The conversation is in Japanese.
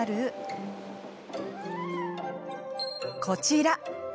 こちら。